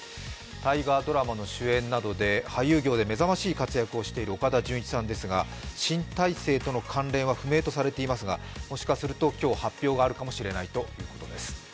大河ドラマの主演など俳優業で目覚ましい活躍をしている岡田准一さんですが、新体制との関連は不明とされていますがもしかすると今日、発表があるかもしれないということです。